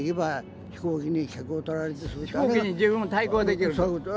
飛行機に十分対抗できると。